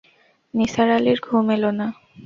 নিসার আলির ঘুম এল না।